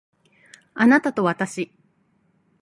あなたとわたし